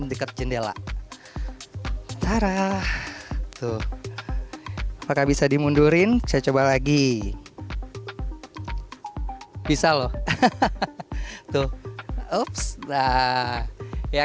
menekat jendela tarah tuh maka bisa dimundurin saya coba lagi bisa loh hahaha tuh apps dah ya